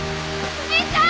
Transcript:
お兄ちゃん！